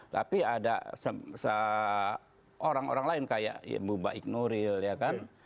tapi ada seorang orang lain kayak mbak ignoril ya kan